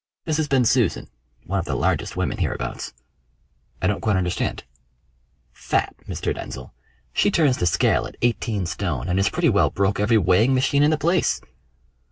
"Mrs. Bensusan, one of the largest women hereabouts." "I don't quite understand." "Fat, Mr. Denzil. She turns the scale at eighteen stone, and has pretty well broke every weighing machine in the place."